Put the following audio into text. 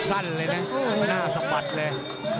สั้นเลยนระไม่สามารถสะบัดเลย